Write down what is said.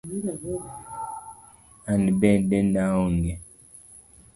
An bende naong'e.